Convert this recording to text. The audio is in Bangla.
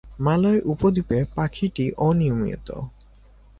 মালয় উপদ্বীপে পাখিটি অনিয়মিত।